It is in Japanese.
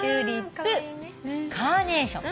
カーネーション。